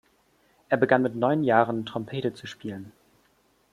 Er begann mit neun Jahren, Trompete zu spielen.